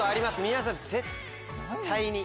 皆さん絶対に。